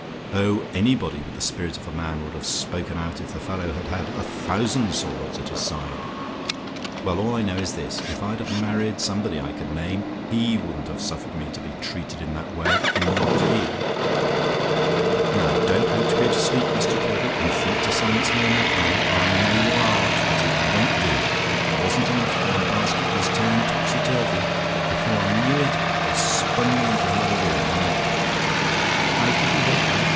Oh, anybody with the spirit of a man would have spoken out if the fellow had had a thousand swords at his side. Well, all I know is this: if I'd have married somebody I could name, he wouldn't have suffered me to be treated in that way, not he! "Now, don't hope to go to sleep, Mr. Caudle, and think to silence me in that manner. I know your art, but it won't do. It wasn't enough that my basket was turned topsy turvy, but before I knew it, they spun me into another room, and "HOW COULD YOU HELP THAT?